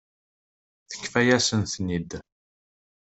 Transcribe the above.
Tefka-yasen-ten-id.